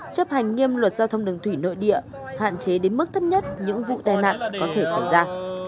chấp hành nghiêm luật giao thông đường thủy nội địa hạn chế đến mức thấp nhất những vụ tai nạn có thể xảy ra